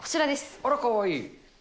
あらかわいい。